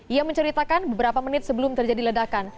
ia menceritakan beberapa menit sebelum terjadi ledakan